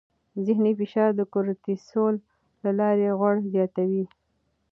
ذهني فشار د کورتیسول له لارې غوړ زیاتوي.